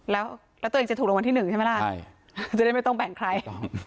แล้วตัวเองจะถูกรางวัลที่๑ใช่ไหมล่ะจะได้ไม่ต้องแบ่งใคร